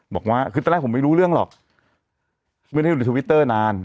บอกว่าคือตั้งแต่ผมไม่รู้เรื่องหรอกเมื่อได้ดูในติวิเตอร์นาน